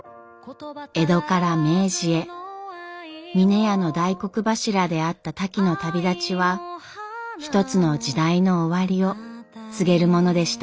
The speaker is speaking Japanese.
江戸から明治へ峰屋の大黒柱であったタキの旅立ちは一つの時代の終わりを告げるものでした。